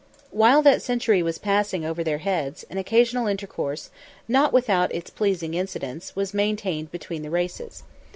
While that century was passing over their heads, an occasional intercourse, not without its pleasing incidents, was maintained between the races.